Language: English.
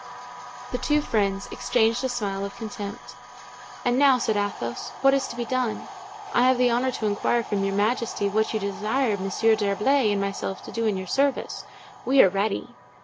The two friends exchanged a smile of contempt. "And now," said Athos, "what is to be done? I have the honor to inquire from your majesty what you desire Monsieur d'Herblay and myself to do in your service. We are ready."